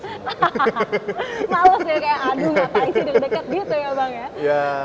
males ya kayak aduh nggak paling sedang dekat gitu ya bang ya